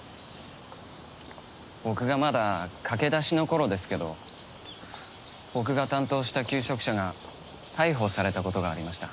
僕がまだ駆け出しの頃ですけど僕が担当した求職者が逮捕されたことがありました。